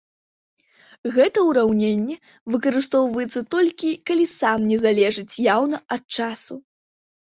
Гэта ўраўненне выкарыстоўваецца толькі, калі сам не залежыць яўна ад часу.